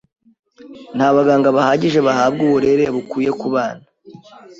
Nta baganga bahagije bahabwa uburere bukwiye kubana.